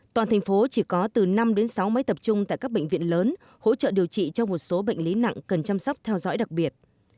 toàn thành phố chỉ có từ năm đến sáu máy tập trung tại các bệnh viện lớn hỗ trợ điều trị cho một số bệnh lý nặng cần chăm sóc theo dõi đặc biệt